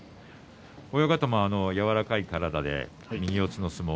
親方も柔らかい体で右四つの相撲。